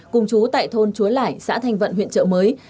cùng chú tại thôn chúa lải xã thanh vận huyện chợ mới